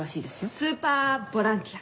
スーパーボランティア。